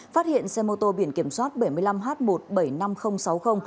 phát hiện xe mô tô biển kiểm soát bảy mươi năm h một nghìn bảy trăm năm mươi